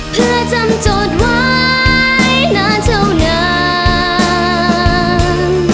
เพื่อจำจดไว้นานเท่านั้น